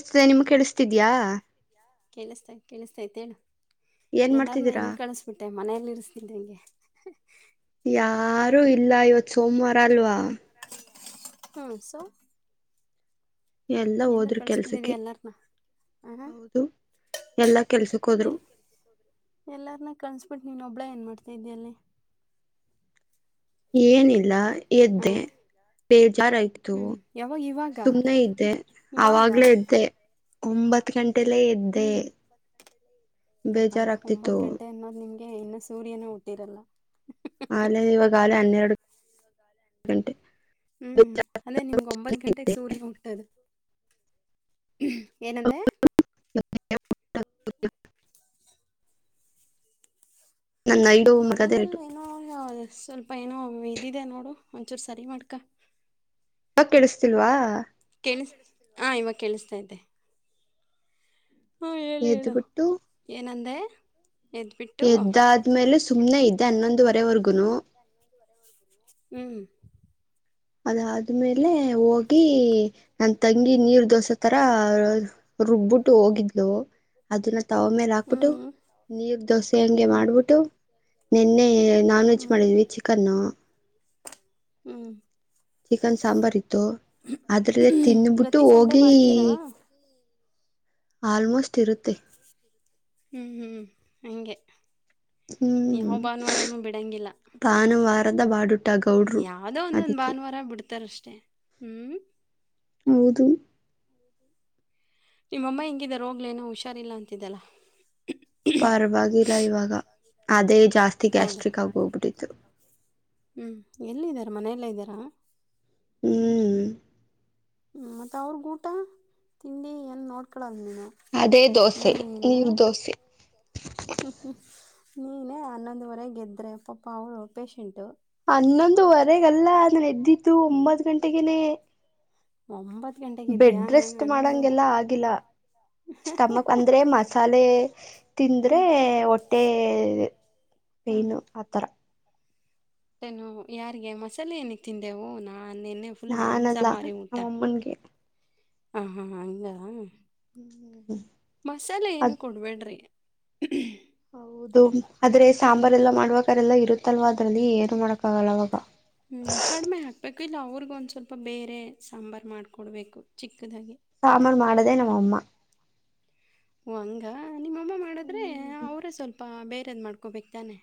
ಸ್ತದೆ ನಿಮ್ಗ ಕೇಳಿಸ್ತಿದ್ಯಾ? ಕೇಳಿಸತಾ ಕೇಳಿಸ್ತಾಯತ್ ಹೇಳು ಏನ್ ಎಲ್ಲಾರನ್ನ ಮಾಡ್ತಿದ್ದೀರಾ ಎಲ್ ಕಳಸ್ ಬಿಟ್ಟೆ ಮನೆಲ್ ಇರಸ್ತಿದ್ದಂಗೆ. ಯಾರೂ ಇಲ್ಲ ಇವತ್ತು ಸೋಮವಾರ ಅಲ್ವಾ? ಹ್ಮ್ ಸೋ ಎಲ್ಲ ಹೋದ್ರು ಕಳಿಸ್ಬಿಟ್ಟಿದ್ದೆ ಕೆಲ್ಸಕ್ಕೆ ಎಲ್ಲರನ್ನ ಹಾಂ ಹೌದು ಎಲ್ಲಾ ಕೆಲ್ಸಕ್ಕ ಹೋದ್ರು. ಎಲ್ಲಾರ್ನ್ನ ಕಳ್ಸಸ್ಬಿಟ್ಟು ನೀನ್ ಒಬ್ಳೆ ಏನ್ ಮಾಡ್ತಿದ್ದಿಯಾ ಅಲ್ಲಿ. ಏನಿಲ್ಲ ಎದ್ದೆ ಹಾಂ ಬೇಜಾರಾಯ್ತು ಹ್ಞೂ ಯಾವಾಗ ಇವಾಗ ಸುಮ್ನೆ ಇದ್ದೆ ಇವಾಗ ಅವಾಗ್ಲೇ ಎದ್ದೆ ಒಂಬತ್ ಗಂಟೆಲ್ಲೇ ಹ್ಞೂ ಎದ್ದೆ ಬೇಜಾರಾಗ್ತಿತ್ತು. ಎ ಇನ್ನು ಸೂರ್ಯನೂ ಹುಟ್ಟಿರಲ್ಲ. ಆಲೇ ಇವಾಗಾಲೇ ಹನ್ನೆರಡು ಗಂಟೆ. ಹ್ಮ್ ಅದೇ ನಿಮ್ಗ ಒಂಬತ್ತು ಗಂಟೆಗ ಸೂರ್ಯ ಹುಟ್ಟದು. ಏನಂದೇ [unintelligible] ನನ್ನ ಐಡು ಮಗದೇ ಇಟು ಧ್ವನಿಯಲ್ಲಿ ಏನೋ ಸ್ವಲ್ಪ ಏನೋ ಇದಿದೆ ನೋಡು ಒಂಚೂರು ಸರಿ ಮಾಡ್ಕ. ಇವಾಗ ಕೆಳಸ್ತಿಲ್ವಾ? ಕೇಳಿಸ ಹಾಂ ಇವಾಗ ಕೇಳಿಸ್ತೈತೆ. ಹೇಳು ಹೇಳು ಎದ್ದಬಿಟ್ಟು ಏನಂದೆ? ಎದ್ಬಿಟ್ಟು ಎದ್ದಾದ್ಮೇಲೆ ಸುಮ್ನೆ ಇದ್ದೆ ಹನ್ನೊಂದುವರೆವರ್ಗುನು. ಹ್ಮ್ ಅದಾದ್ಮೇಲೆ ಹೋಗಿ ನನ್ ತಂಗಿ ನೀರ್ ದೋಸೆ ತರ ರುಬ್ಬುಟ್ಟು ಹೋಗಿದ್ಲು ಅದನ್ನ ತವಾ ಮ್ಯಾಲ ಹಾಕ್ಬಿಟ್ಟು ಹ್ಮ್ ನೀರ್ ದೋಸೆ ಹಂಗೆ ಹ್ಮ್ ಮಾಡ್ಬಿಟ್ಟು ನಿನ್ನೆ ನಾನ್ ವೆಜ್ ಹ್ಮ್ ಮಾಡಿದ್ವಿ ಚಿಕನ್ನು ಹ್ಮ್ ಚಿಕನ್ ಸಾಂಬಾರ ಇತ್ತು ಅದರಲ್ಲೆ ತಿನ್ಬಿಟ್ಟು ಪ್ರತಿ ಸಂಡೆ ಹೋಗಿ ಮಾಡ್ತೀರಾ ಆಲ್ಮೋಸ್ಟ್ ಇರುತ್ತೆ. ಹ್ಮ್ ಹ್ಮ್ ಹ್ಮ್ ಹಂಗೆ ಹ್ಮ್ ಯಾವ ಭಾನುವಾರನೂ ಬಿಡಂಗಿಲ್ಲಾ. ಭಾನುವಾರದ ಬಾಡುಟ ಗೌಡ್ರು ಯಾವ್ದೋ ಒಂದೊಂದ್ ಅದಕ್ಕೆ ಭಾನುವಾರ ಬಿಡ್ತಾರಷ್ಟೇ ಹ್ಮ್. ಹೌದು. ನಿಮ್ಮಮ್ಮ ಹೆಂಗಿದಾರ ಹೋಗ್ಲೆನೋ ಹುಷಾರಿಲ್ಲ ಅಂತಿದ್ದಲ್ಲ. ಪರವಾಗಿಲ್ಲ ಇವಾಗ ಅದೇ ಜಾಸ್ತಿ ಗ್ಯಾಸ್ಟ್ರಿಕ್ ಆಗಿ ಹೋಗ್ಬಿಟ್ಟಿತ್ತು. ಹ್ಞೂ ಎಲ್ಲ ಇದಾರೆ ಮನೆಯಲ್ಲೆ ಇದ್ದೀರಾ? ಹ್ಮ್ ಹ್ಞ ಮತ್ತ ಅವ್ರಗ್ ಊಟ ತಿಂಡಿ ಎನು ನೋಡ್ಕೊಳೋದ ನೀನು. ಅದೇ ಹ್ಮ್ ದೋಸೆ ನೀನೆ ನೀರ್ ದೋಸೆ ಹ್ಮ್ ಹ್ಮ್ ನೀನೇ ಹನ್ನೊಂದುವರೆಗೆದ್ರೆ ಪಾಪಾ ಅವರು ಪೇಷೆಂಟು. ಹನ್ನೊಂದುವರೆಗಲ್ಲ ನಾನ ಎದ್ದಿದ್ದು ಒಂಬತ್ತ ಗಂಟೆಗೆನೆ. ಒಂಬತ್ತು ಗಂಟೆಗೆ ಎದ್ದೀಯಾ ಬೆಡ್ ನಾನು ರೆಸ್ಟ್ ಹನ್ನೊಂದು ಮಾಡಂಗೆಲ್ಲ ಆಗಿಲ್ಲ. ಸ್ಟಮಕ್ ಅಂದ್ರೆ ಮಸಾಲೆ ಹ್ಞೂ ತಿಂದ್ರೆ ಹೊಟ್ಟೆ ಪೇನು ಆ ಥರ. ನ್ನು ಯಾರಿಗೆ ಮಸಾಲೆ ಏನಿಕ್ ತಿಂದೆವು ನಾ ನಿನ್ನೆ ಫುಲ್ ನಾನಲ್ಲ ಮಾಂಸಾಹಾರಿ ಊಟ ನಮ್ಮಮ್ಮನ್ಗೆ ಹ ಹ್ ಹಾ ಹಂಗಾ. ಹ್ಮ್ ಹ್ಮ್ ಹ್ಮ್ ಮಸಾಲೆ ಏನು ಕೊಡ್ಬೇಡ್ರಿ [unintelligible] ಹೌದು ಆದ್ರೆ ಸಾಂಬಾರ್ ಎಲ್ಲ ಮಾಡ್ಬೇಕಾರೆಲ್ಲ ಇರುತ್ತಲ್ವಾ ಅದ್ರಲ್ಲಿ ಏನು ಮಾಡಕ್ಕ ಆಗಲ್ಲ ಅವಾಗ. ಹ್ಞೂ ಕಡಿಮೆ ಹಾಕ್ಬೇಕು ಇಲ್ಲ ಅವ್ರಗ್ ಒಂದ ಸ್ವಲ್ಪ ಬೇರೆ ಸಾಂಬಾರ ಮಾಡಿಕೊಡ್ಬೇಕು ಚಿಕ್ಕದಾಗಿ. ಸಾಂಬಾರ ಮಾಡದೆ ನಮ್ಮಮ್ಮ. ಓ ಹಂಗಾ ನಿಮ್ಮಮ್ಮ ಮಾಡಿದ್ರೆ ಹ್ಮ್ ಅವರೇ ಸ್ವಲ್ಪ ಬೇರೆದ ಮಾಡ್ಕೊಬೇಕ ತಾನೆ.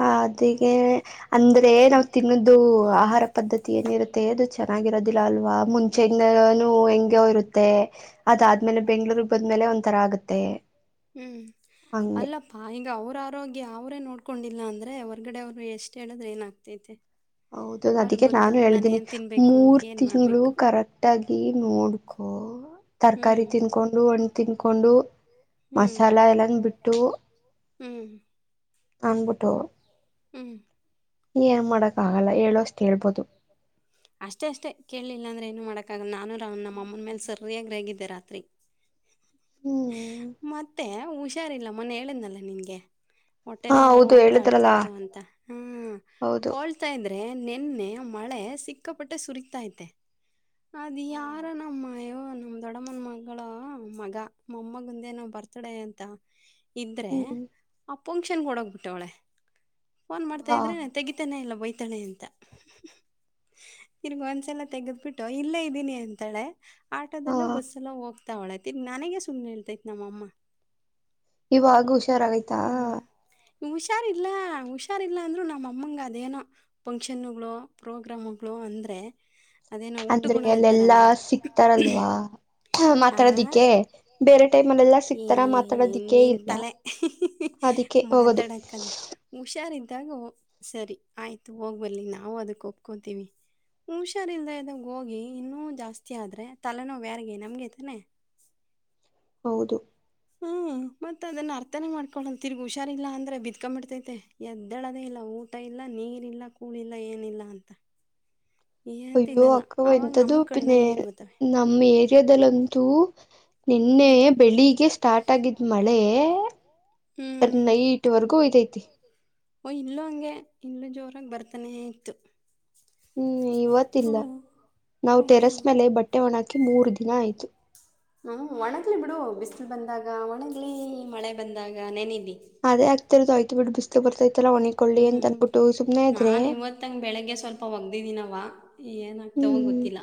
ಹ ಅದಿಗೆ ಅಂದ್ರೆ ಹ್ಮ್. ನಾವ ತಿನ್ನದು ಆಹಾರ ಪದ್ಧತಿ ಏನಿರುತ್ತೆ ಅದು ಚೆನ್ನಾಗಿರೋದಿಲ್ಲ ಅಲ್ವಾ ಮುಂಚೆಯಿಂದನೂ ಹೆಂಗೋ ಇರುತ್ತೆ. ಅದಾದ್ಮೇಲೆ ಬೆಂಗ್ಳೂರ್ ಬದ್ಮೇಲೆ ಒಂಥರಾ ಆಗುತ್ತೆ. ಹ್ಮ್ ಹಂಗೆ ಅಲ್ಲ ಹಾ ಈಗ ಅವ್ರ ಆರೋಗ್ಯ ಅವರೇ ನೋಡ್ಕೊಂಡಿಲ್ಲ ಅಂದರೆ ಹೊರಗಡೆ ಅವ್ರು ಎಷ್ಟ ಹೇಳಿದ್ರೆ ಏನಾಗ್ತೈತೆ. ಹೌದೌ ಅವ್ರಿಗ್ ಅದಕ್ಕೆ ಗೊತ್ತು ನಾನು ನಾನ್ ಹೇಳ್ದೀನಿ ಏನ್ ತಿನ್ಬೇಕು ಮೂರ್ ಏನ್ ತಿಂಗಳು ಮಾಡ್ಬೇಕು ಕರೆಕ್ಟ್ ಟ್ಟಾಗಿ ನೋಡ್ಕೊ ಹ್ಮ್. ತರಕಾರಿ ತಿನ್ಕೊಂಡು ಹಣ್ಣ ತಿನ್ಕೊಂಡು ತಿನ್ಕೊಂಡು ಹ್ಮ್ ಮಸಾಲ ಎಲ್ಲಾನ ಬಿಟ್ಟು ಹ್ಮ್ ಅನ್ಬಿಟ್ಟು ಹ್ಮ್ ಏನ್ ಮಾಡಕ್ ಆಗಲ್ಲ ಹೇಳು ಅಷ್ಟ ಹೇಳ್ಬೋದು. ಅಷ್ಟೇ ಅಷ್ಟೆ ಕೇಳಲಿಲ್ಲಾಂದ್ರೆ ಏನು ಮಾಡಕ್ಕಾಗಲ್ಲ ನಾನು ರಾವ ನಮ್ಮಮ್ಮನ ಮೇಲೆ ಸರ್ರಿಯಾಗಿ ರೇಗಿದ್ದೆ ರಾತ್ರಿ. ಹ್ಮ್ ಮತ್ತೆ ಹುಷಾರಿಲ್ಲ ಮೊನ್ನೆ ಹೇಳಿದ್ನಲ್ಲಾ ನಿಂಗೆ. ಹೊಟ್ಟೆ ಹಾ ನೋವು ಹೌದು ಅಂತ ಹೇಳಿದ್ರಲ್ಲ ಅಳ್ತಿತ್ತು ಅಂತ ಹ ಹೌದು ಹೋಲ್ ಸಿತಾ ಇದ್ರೆ ನಿನ್ನೆ ಮಳೆ ಸಿಕ್ಕಾಪಟ್ಟೆ ಸುರಿತೈತೆ. ಅದು ಯಾರ ನಮ್ಮ ಮ ಅಯ್ಯೋ ನಮ್ ದೊಡ್ಡಮ್ಮನ ಮಗಳ ಮಗ ಮೊಮ್ಮಗಂದೇನೋ ಬರ್ತ್ ಡೇ ಅಂತ ಇದ್ರೆ ಹ್ಮ್ ಆ ಫಂಕ್ಷನ್ ಓಡೋಗ್ಬಿಟ್ವ್ಳೆ. ಫೋನ್ ಮಾಡ್ತಾ ಹಾ ಇದ್ರೆ ತೆಗಿತಾನೆ ಇಲ್ಲ ಬಯ್ತಾಳೆ ಅಂತ. ತಿರ್ಗ ಒಂದ್ಸಲ ತೆಗದ್ ಬಿಟ್ಟು ಇಲ್ಲೇ ಇದ್ದೀನಿ ಅಂತಾಳೆ. ಹಾ ಆಟೋದಲ್ಲೂ ಬಸ್ಸ ಅಲ್ಲೋ ಹೋಗ್ತಾವ್ಳೆ ದಿನ್ ನನಗೆ ಸುಮ್ನ ಹೇಳ್ತೈತ್ ನಮ್ಮಮ್ಮ. ಇವಾಗ ಹುಷಾರಾಗೈತಾ ಹ್ಮ್ ಹುಷಾರಿಲ್ಲ ಹುಷಾರಿಲ್ಲ ಅಂದ್ರೂ ನಮ್ಮಮ್ಮಂಗ ಅದೇನೋ ಫಂಕ್ಷನ್ಗಳು ಪ್ರೋಗ್ರಾಮ್ಗಳು ಅಂದ್ರೆ ಅದೇನೋ ಅಂದ್ರೆ ಹುಟ್ಟುಗುಣ ಅಲ್ಲೆಲ್ಲಾ ಅಂತಾರಲ್ಲ ಸಿಕ್ತಾರಲ್ವಾ ಆ ಮಾತಾಡೋದಿಕ್ಕೆ ಬೇರೆ ಟೈಮ್ ಅಲ್ಲೆಲ್ಲ ಸಿಕ್ತಾರ ಮಾತಾಡೋದಿಕ್ಕೆ ಇಲ್ಲ. [unintelligible] ಅದಕ್ಕೆ ಹೋಗೋದು ಮಾತಾಡಕಂದ ಹುಷಾರಿದ್ದಾಗ ಸರಿ ಆಯ್ತು ಹೋಗ್ಬಲಿ ನಾವು ಅದಕ್ಕ ಒಪ್ಕೊತೀವಿ. ಹುಷಾರಿಲ್ದೇ ಇದ್ದಾಗ ಹೋಗಿ ಇನ್ನೂ ಜಾಸ್ತಿ ಆದ್ರೆ ತಲೆ ನೋವ್ ಯಾರ್ಗೆ ನಮ್ಗೆತಾನೆ. ಹೌದು. ಹ್ಮ್ ಮತ್ತ ಅದನ್ನ ಅರ್ಥನೇ ಮಾಡ್ಕೊಳ್ಳ ತಿರ್ಗ ಹುಷಾರಿಲ್ಲಾ ಅಂದ್ರೆ ಬಿದ್ಕೊಂಡ್ಬಿಡ್ತೈತೆ ಎದ್ದೆಳದೇ ಇಲ್ಲ. ಊಟ ಇಲ್ಲ ನಿರಿಲ್ಲ ಕೂಳ್ ಇಲ್ಲ ಏನಿಲ್ಲ ಅಂತ. ಏನ್ ಅಯ್ಯೋ ತಿನ್ನಲ್ಲ ಅಕ್ಕವ ಅವಾಗ ನಮ್ ಎಂತದುಪಿನ್ನೇ ಕಣ್ಣಲ್ಲಿ ನೀರ್ ಬರ್ತವೆ ನಮ್ಮ ಏರಿಯಾದಲ್ಲಂತೂ. ನಿನ್ನೆ ಹ್ಮ್ ಬೆಳಿಗ್ಗೆ ಸ್ಟಾರ್ಟ್ ಆಗಿದ್ ಮಳೆ ಹ್ಮ್ ನೈಟ್ವರೆಗೂ ಇದೈತಿ ಓ ಇಲ್ಲೂ ಹಂಗೆ ಇಲ್ಲೂ ಜೋರಾಗ್ ಬರ್ತಾನೆ ಇತ್ತು. ಹ್ಮ್ ಇವತ್ತಿಲ್ಲ ಹ್ಮ ನಾವು ಟೆರಸ್ ಮೇಲೆ ಬಟ್ಟೆ ಒಣ ಹಾಕಿ ಮೂರ್ ದಿನ ಆಯ್ತು. ಹ ಒಣಗಲಿ ಬಿಡು ಬಿಸಿಲು ಬಂದಾಗ ಒಣಗಲಿ ಮಳೆ ಬಂದಾಗ ನೇನಿಲಿ. ಅದೇ ಆಗ್ತಿರೋದು ಆಯ್ತುಬ ಬಿಡು ಬಿ ಹ್ಮ್ ಸುಮ್ನೆ ನಾ ಇದ್ರೆ ಇವತ್ತಂಗ ಬೆಳಿಗ್ಗೆ ಸ್ವಲ್ಪ ವಗ್ದಿದೀನವ್ವ. ಏನಾಗ್ತವೋ ಹ್ಮ್ ಗೊತ್ತಿಲ್ಲ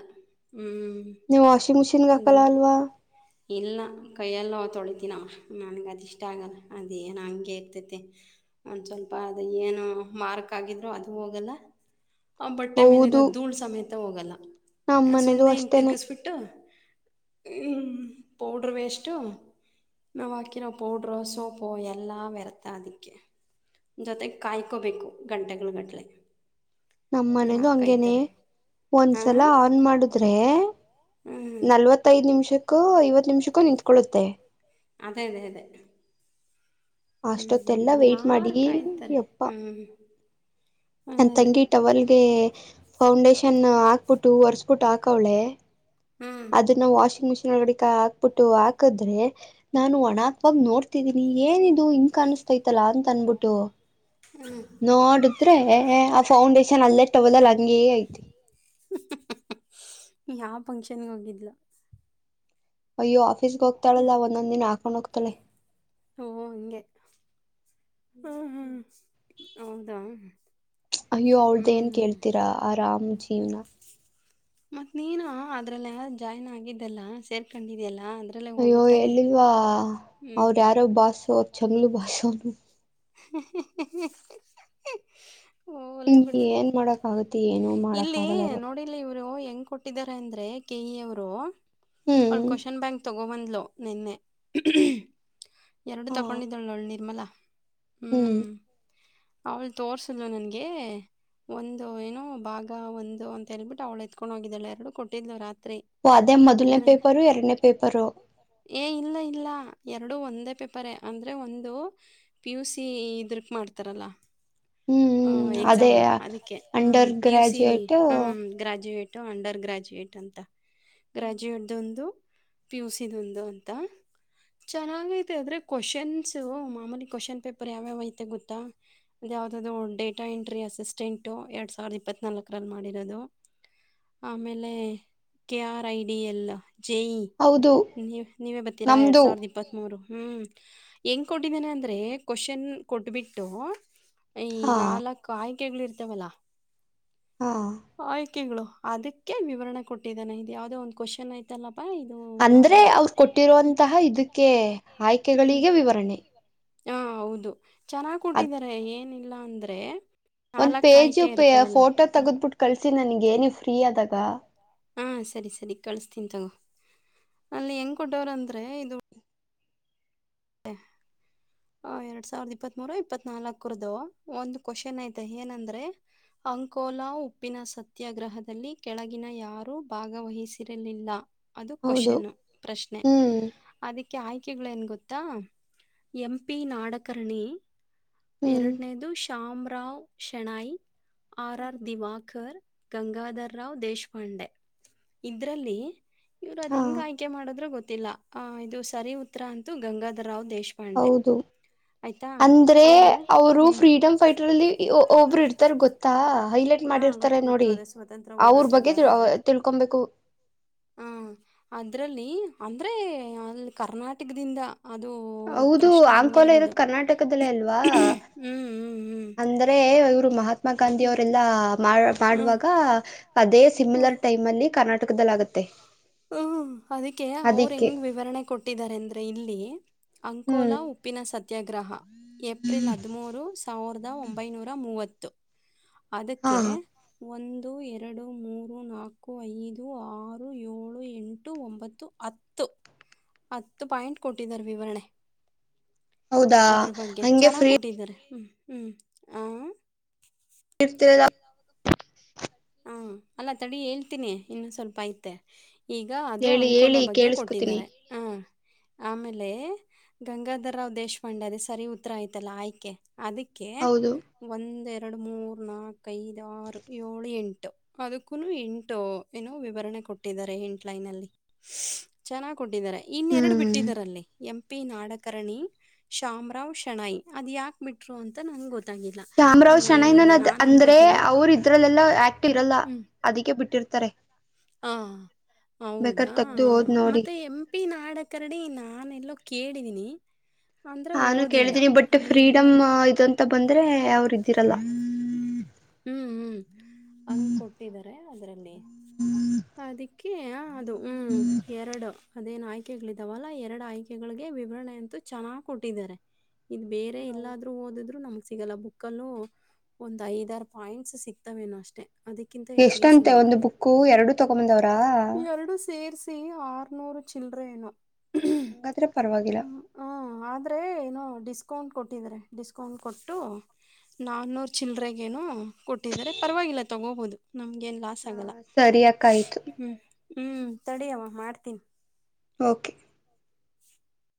ಹ್ಮ್ ನೀವ್ ವಾಷಿಂಗ್ ಮಿಷಿನ್ಗೆ ಅದೇ ಮ ಹಾಕಲ್ಲ ಅಲ್ವಾ ಇಲ್ಲ ಕೈಯೆಲ್ಲ ತೊಳಿತೀನಮ್ಮ ನನಗೆ ಅದು ಇಷ್ಟ ಆಗಲ್ಲ ಅದೇಏನು ಹಂಗೆ ಇರ್ತೈತೆ. ಒಂದು ಸ್ವಲ್ಪ ಅದು ಏನೋ ಮಾರ್ಕ್ ಆಗಿದ್ರು ಅದು ಹೋಗಲ್ಲ. ಆ ಬಟ್ಟೆ ಮೇಲೆ ಹೌದು ಇರೋ ಧೂಳು ಸಮೇತ ಹೋಗಲ್ಲ ನಮ್ ಅ ಮನೇಲೂ ಸುಮ್ಮ್ನೆ ಹಿಂಗೆ ಅಷ್ಟೇನೆ ತಿರುಗಿಸ್ಬಿಟ್ಟು. Powder waste. ನವಾಕಿರೋ ಪೌಡರೋ ಸೋಪೋ ಎಲ್ಲಾ ವ್ಯರ್ಥ ಅದಕ್ಕೆ. ಜೊತೆಗೆ ಕಾಯ್ಕೋಬೇಕು ಗಂಟೆಗಳು ಗಟ್ಲೆ. ನಮ್ಮ ಮನೆದು ಹಂಗೇನೆ ಒಂದ್ಸಲ ಹಾಂ ಆನ್ ಮಾಡಿದ್ರೆ ಹ್ಞೂ ನಲ್ವತ್ತ್ [unintelligible] ಐದ್ ನಿಮಿಷಕ್ಕೂ ಐವತ್ತ್ ನಿಮಷಕ್ಕೂ ನಿಂತ್ಕೊಳ್ಳುತ್ತೆ. ಅದೇ ಅದೇ ಅದೇ. ಹ್ಮ್ ಅಷ್ಟೊತ್ತೆಲ್ಲಾ ವೆಯ್ಟ್ ಮಾಡಿ ಯಾರ್ ಕಾಯ್ತಾರೆ ಯಪ್ಪಾ ಹ್ಮ್ ಅದೇ ನನ್ ಅದೇ. ತಂಗಿ ಟವಲ್ಗೆ ಫೌಂಡೇಶನ್ ಹಾಕ್ಬಿಟ್ಟು ಒರ್ಸ್ಬಿಟ್ಟು ಹಾಕವ್ಳೆ. ಹ್ಮ್ ಅದನ್ನ ವಾಷಿಂಗ್ ಮಿಷಿನ್ [unintelligible] ಗಡಿಕ ಹಾಕ್ಬಿಟ್ಟು ಹಾಕದ್ರೆ ನಾನು ಒಣಕ್ವಾಗ ನೋಡ್ತಿದೀನಿ ಏನಿದ್ [unintelligible] ದು ಹಿಂಗ್ ಕಾಣಿಸ್ತಾ ಇತ್ತಲ್ಲ ಅಂತ ಅನ್ಬಿಟ್ಟು. ಹ್ಮ್ ನೋಡಿದ್ರೆ ಆ ಫೌಂಡೇಶನ್ ಅಲ್ಲೆ ಟವೇಲಲ್ಲಿ ಹಂಗೆ ಐತೆ. ಯಾವ ಫಂಕ್ಷನ್ಗೆ ಹೋಗಿದ್ಲೋ. ಅಯ್ಯೋ ಆಫೀಸ್ಗ್ ಹೋಗತಾಳಲ್ಲ ಒಂದೊಂದ್ ದಿನ ಹಾಕೊಂಡ್ ಹೋಗ್ತಾಳೆ. ಓ ಹಂಗೆ ಹ್ಮ ಹ್ಮ್ ಹೌದಾ. ಅಯ್ಯೋ ಅವ್ಳದ್ ಏನ್ ಕೇಳ್ತೀರಾ ಆರಾಮ್ ಜೀವ್ನ. ಮತ್ತ್ ನೀನು ಅದ್ರಲ್ಲ ಜಾಯ್ನ್ ಆಗಿದ್ದಲ್ಲ ಸೇರ್ಕೊಂಡಿದ್ಯಲ್ಲ ಅದ್ ಅಯ್ಯೋ ಹೇಲ್ಲಿಲ್ವಾ ಅವ್ರ ಹ್ಮ್ ಯಾರೋ ಭಾಸು ಅವರು ಚಂಗ್ಲು ಭಾಸು. ಹ ಹ್ಮ್ ಹ್ಮ್ ಹ್ಮ್ ಹ್ ಹೋಗ್ಲಿ ಬಿಡು ಏನ್ ಮಾಡಕ್ ಆಗತ್ತೆ ಏನು ಮಾಡಕ್ ಇಲ್ಲಿ ಆಗಲ್ಲ ಇವಾಗ ನೋಡಿ. ಅಲ್ಲಿ ಇವರು ಹೆಂಗ್ ಕೊಟ್ಟಿದ್ದಾರೆ ಅಂದ್ರೆ ಕೆಇ ಅವರು ಅವ್ಳ ಹ್ಮ್ ಕ್ವೆಶ್ಚನ್ ಬ್ಯಾಂಕ್ ತೊ ತಗೊಂ ಬಂದ್ಲು ನಿನ್ನೆ ಎರಡು ಹ ತಗೊಂಡಿದ್ದಾಳ ನೋಳು ನಿರ್ಮಲಾ. ಹ್ಮ್ ಅವಳ್ ತೋರ್ಸುದ್ಲು ನನ್ಗೆ. ಒಂದು ಏನೋ ಭಾಗ ಒಂದು ಅಂತ ಹೇಳ್ಬಿಟ್ಟು ಅವಳು ಎತ್ಕೊಂಡು ಹೋಗಿದ್ದಾಳೆ ಎರಡು ಕೊಟ್ಟಿದ್ಲು ರಾತ್ರಿ. ಓ ಅದೇ ಮೊದಲನೇ ಇದ್ರ ಪೇಪರು ಎರಡನೇ ಪೇಪರು. ಏ ಇಲ್ಲ ಇಲ್ಲ ಎರಡು ಒಂದೇ ಪೇಪರ್ರೇ ಅಂದ್ರೆ ಒಂದು. ಪಿ ಯು ಸಿ ಇದ್ರಕ್ಕ್ ಮಾಡ್ತಾರಲ್ಲ. ಹ ಹ್ಮ್ ಅದೇ ಎಕ್ಸಾಮು ಅದಕ್ಕೆ ಹ್ಮ್ under P U C graduate ಹ್ಮ್ ಗ್ರಾಜುಯೇಟ್. ಅಂಡರ್ ಗ್ರಾಜುಯೇಟ್ ಅಂತ ಗ್ರಾಜುಯೇಟ್ ದೊಂದು ಪಿ ಯು ಸಿ ದೊಂದು ಅಂತ ಚೆನ್ನಾಗ್ ಐತೆ ಆದರೆ ಕೋಶನ್ಸು ಮಾಮೂಲಿ. ಕ್ವೆಶನ್ ಪೇಪರ್ ಯಾವ್ ಯಾವ್ ಐತೆ ಗೊತ್ತಾ. ಅದು ಯಾವ್ದ ಅದು ಡೇಟಾ ಎಂಟ್ರಿ ಅಸಿಸ್ಟೆಂಟು ಎರಡು ಸಾವಿರ ಇಪ್ಪತ್ನಾಲ್ಕರಲ್ಲಿ ಮಾಡಿರೋದು. ಆಮೇಲೆ ಕೆ ಆರ್ ಐ ಡಿ ಎಲ್ಲ ಜೆ ಇ. ಹೌದು ನೀವ ನೀವೇ ಬತೀರಾ ಎರಡ್ ನಮ್ದು ಸಾವಿರದ ಇಪ್ಪತ್ತ್ ಮೂರು ಹ್ಮ್ ಹೆಂಗ್ ಕೊಟ್ಟಿದ್ದನೆ ಅಂದ್ರ ದ್ರೆ ಕ್ವಶನ್ ಕೊಟ್ಬಿಟ್ಟು ಈ ಹಾ ನಾಲಕ್ ಆಯ್ಕೆಗಳು ಇರ್ತವಲ್ಲಾ. ಹಾ ಆಯ್ಕೆಗಳು ಅದಕ್ಕೆ ವಿವರಣ ಕೊಟ್ಟಿದ್ದಾನ ಯಾವ್ದೋ ಒಂದು ಕ್ವಶನ ಆಯ್ತ ಇತ್ತಲ್ಲಪ್ಪಾ ಇದು ಯಾವ್ದು ಅಂದ್ರೆ ಇದು ಅವ್ರು ಕೊಟ್ಟಿರುವಂತಹ ಇದಕ್ಕೆ ಹ್ಮ. ಆಯ್ಕೆಗಳಿಗೆ ವಿವರಣೆ ಹಾ ಹೌದು ಚೆನ್ನಾಗ್ ಅದ ಕುಟ್ಟಿದ್ದಾರೆ ಏನಿಲ್ಲ ಅಂದ್ರೆ. ಒಂದ್ ನಾಲ್ಕ್ ಪೇಜು ಆಯ್ಕೆ ಪೆ ಇರ್ತಾವಲ್ಲ ಫೋಟೋ ತಗದ್ಬಿಟ್ಟು ಕಳಿಸಿ ನನಗೆ ನೀವ್ ಫ್ರೀ ಆದಾಗ. ಹಾ ಸರಿ ಸರಿ ಕಳಸ್ತೀನಿ ತಗೋ ಅಲ್ಲಿ ಹೆಂಗ್ ಕೊಟ್ಟವ್ರ ಅಂದ್ರೆ ಇದು. ಹ [unintelligible] ಹ ಎರಡ್ ಸಾವಿರದ ಇಪ್ಪತ್ತ್ ಮೂರು ಇಪ್ಪತ್ ನಾಲ್ಕರದು ಒಂದು ಕ್ವಶನ್ ಐತೆ ಏನಂದ್ರೆ. ಅಂಕೋಲಾ ಉಪ್ಪಿನ ಸತ್ಯಾಗ್ರಹದಲ್ಲಿ ಕೆಳಗಿನ ಯಾರು ಭಾಗವಹಿಸಿರಲಿಲ್ಲ. ಅದು ಹೌದು ಕ್ವಶನು ಪ್ರಶ್ನೆ ಹ್ಮ್ ಅದಕ್ಕೆ ಆಯ್ಕೆಗಳು ಏನ್ ಗೊ ತ್ತ ಎಂ ಪಿ ನಾಡಕರ್ಣಿ. ಹ್ಮ್ ಎರಡನೇದು ಶಾಮರಾವ್ ಶೆಣಾಯಿ ಆರ್ ಹ್ಮ್ ಆರ್ ದಿವಾಕರ್. ಗಂಗಾಧರ ರಾವ್ ದೇಶಪಾಂಡೆ ಇದ್ರಲ್ಲಿ. ಇವ್ರ ಅದ ಹಾ ಹೆಂಗ್ ಆಯ್ಕೆ ಮಾಡದ್ರು ಗೊತ್ತಿಲ್ಲ ಆ ಇದು ಸರಿ ಉತ್ತರ ಅಂತು ಗಂಗಾಧರಾವ್ ದೇಶ್ ಹೌದು ಅಂದ್ರೆ ಅವರು ಫ್ರೀಡಂ ಫೈಟರಲ್ಲಿ. ಒ ಒಬೋಬ್ರು ಇರ್ತಾರ ಗೊತ್ತಾ ಹೈಲೈಟ್ ಹಾ ಮಾಡಿರ್ತಾರೆ ಗೊತ್ತು ಗೊತ್ತು ನೋಡಿ ಅದೇ ಸ್ವತಂತ್ರ ಅವ್ರ ಬಗ್ಗೆ ತಿಳ್ ಹೋರಾಟಗಾರರು [unintelligible] ತಿಳ್ ಕೊಂಬೇಕು. ಹಾ ಅದರಲ್ಲಿ ಅಂದರೆ ಅಲ್ ಕರ್ನಾಟಕದಿಂದ. ಅದು ಹೌದು ಪ್ರಶ್ನೆ ಹಂಗೆ ಆಂಕೋಲ ಇರೋದು ಕರ್ನಾಟಕದಲ್ಲೇ ಅಲ್ವಾ ಹ್ಮ್ ಹ್ಮ್ ಹ್ಮ್. ಆದ್ರೆ ಇವ್ರು ಮಹಾತ್ಮ ಗಾಂಧಿ ಅವ್ರೆಲ್ಲ ಮಾಡ ಹ್ಮ್ ಪಾಡುವಾಗ ಅದೇ ಸಿಮಿಲರ್ ಟೈಮಲ್ಲಿ ಕರ್ನಾಟಕದಲ್ಲ ಆಗುತ್. ಹ್ಮ ಅದಕ್ಕೆ ಅವ್ರ ಅದಕ್ಕೆ ಹೆಂಗ್ ವಿವರಣೆ ಕೊಟ್ಟಿದ್ದಾರೆ ಅಂದ್ರೆ ಇಲ್ಲಿ. ಹ್ಮ್ ಅಂಕೋಲಾ ಉಪ್ಪಿನ ಸತ್ ತ್ಯಾಗ್ರಹ ಏಪ್ರಿಲ್ ಹದಮೂರು ಸಾವಿರದ ಒಂಬೈನೂರಾ ಮೂವತ್ತು. ಹಾ ಅದಕ್ಕೆ ಒಂದು ಎರಡು ಮೂರು ನಾಕು ಐದು ಆರು ರು ಏಳು ಎಂಟು ಒಂಬತ್ತು ಹತ್ತು. ಹತ್ತು ಪಾಯಿಂಟ್ ಕೊಟ್ಟಿದಿದ್ದಾರೆ ವಿವರಣೆ. ಹೌದಾ ಅದ್ರ ಬಗ್ಗೆ ಹಂಗೆ ಚೆನ್ನಾಗ್ ಫ್ರೀ ಕುಟ್ಟಿದ್ದಾರೆ ಹ್ಮ್ ಹ್ಮ್ ಆ ಇರ್ತಿಲ್ಲ. ಹಾ ಅಲ್ಲಾ ತಡಿ ಹೇಳ್ತೀನಿ ಇನ್ನ ಸ್ವಲ್ಪ ಐತೆ ಈಗ ಅದು ಹೇಳಿ ಹೇಳಿ ಅಂಕೋಲ ಬಗ್ಗೆ ಕೇಳಿಸ್ಕೊತೀನಿ ಕೊಟ್ಟಿದ್ದಾರೆ ಹ. ಆಮೇಲೆ ಗಂಗಾಧರ ರಾವ್ ದೇಶಪಾಂಡೆ ಅದೇ ಸರಿ ಉತ್ತರ ಆಯ್ತಲ್ಲ ಆಯ್ಕೆ. ಅದಕ್ಕೆ ಹೌದು ಒಂದ್ ಎರಡ ಮೂರ ನಾಕ ಐದ ಆರು ಏಳು ಎಂಟ ಟು ಅದಕ್ಕುನು ಎಂಟು ಏನೋ ವಿವರಣೆ ಕೊಟ್ಟಿದ್ದಾರೆ ಎಂಟ್ ಲೈನಲ್ಲಿ. ಚೆನ್ನಾಗ್ ಕೊಟ್ಟಿದಿದ್ದಾರೆ ಇನ್ನೆರಡ ಹ್ಮ್ ಬಿಟ್ಟಿದಾರಲ್ಲಿ. ಎಂ ಪಿ ನಾಡಕರ್ಣಿ ಶಾಮರಾವ್ ಶೆಣಾಯಿ ಅದು ಯಾಕೆ ಬಿಟ್ರು ಅಂತ ನಂಗ ಗೊತ್ತ ಗೊತ್ತಾಗಿಲ್ಲ ಶಾಮರಾವ್ ಹ ನಾನ್ ಅನ್ಕೋತೀನಿ. ಅದ್ರಲ್ಲೆಲ್ಲ ಆಕ್ಟ್ ಇರಲ್ಲ ಅದಕ್ಕೆ ಬಿಟ್ಟಿರ್ತಾರೆ. ಹಾ ಬೇಕಾರ್ ಹೌದಾ ಹ ತೆಗ್ದು ಓದ್ ನೋಡಿ ಮತ್ತೆ ಎಮ್ ಪ್ಪಿ ನಾಡ ಕರಡಿ ನಾನೆಲ್ಲೋ ಕೇಳಿದೀನಿ. ಅಂದ್ರೆ ನಾನು ಓದಿಲ್ಲ. ಕೇಳಿದ್ದೀನಿ ಬಟ್ ಅದು ಎಲ್ಲೋ ಫ್ರೀಡಮ್ ಹ್ಮ್. ಇದಂತ ಬಂದ್ರೆ ಅವ್ರು ಇದ್ದೀರಲ್ಲ. ಹ್ಮ್ ಹ್ಮ್ ಹಂಗ ಕೊಟ್ಟಿದ್ದಾರೆ ಅದ್ರಲ್ಲಿ ಅದಿಕ್ಕೆ. ಅದು ಹ್ಮ್ ಎರಡು ಅದೇನು ಆಯ್ಕೆಗಳಿದಾವಲ್ಲ ಎರಡು ಆಯ್ಕೆಗಳಿಗೆ ವಿವರಣೆ ಅಂತೂ ಚೆನ್ನಾಗ್ ಕೊಟ್ಟಿದ್ದಾರೆ ಇದು ಬೇರೆ ಎಲ್ಲಾದ್ರರು ಓದಿದ್ರು ನಮಗ್ ಸಿಗಲ್ಲ ಬುಕ್ ಲ್ಲೂ ಒಂದ್ ಐದಾರ ಪಾಯಿಂಟ್ಸ್ ಸಿಗ್ತವೆೇನೋ ಅಷ್ಟೇ ಅದಕ್ಕಿಂತ ಹೆಚ್ಚಿಗೆ ಸಿಗಲ್ಲ ಕೂ ಎರಡು ತೊಗೊಂಬಂದವ್ರಾ ಎರಡು ಸೇರಿಸಿ ಆರುನೂರು ಚಿಲ್ಲ್ರೇನು ಹಾಗಾದ್ರೆ ಪರವಾಗಿಲ್ಲ ಹಾಂ ಆದರೆ ಏನ ಡಿಸ್ಕೌಂಟ್ ಕೊಟ್ಟಿದಿದ್ದಾರೆ ಡಿಸ್ಕೌಂಟ್ ಕೊಟ್ಟು ನಾನ್ನೂರು ಚಿಲ್ಲರೆಗ ಏನು ಕೊಟ್ಟಿದರೆ ಪರವಾಗಿಲ್ಲ ತೊಗೋಬಹುದು ನಮ್ಗೆನ್ ಲಾಸ್ ಆಗಲ್ಲ ಹ ಸರಿ ಅಕ್ಕ ಆಯ್ತು ಹ್ಮ ಹ್ಮ್ ತಡಿಯವ ಮಾಡ್ತೀನಿ ಓಕೆ [inaudible]